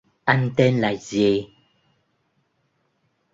Anh tên là gì